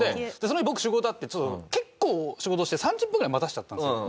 その日僕仕事あって結構仕事して３０分ぐらい待たせちゃったんですよ。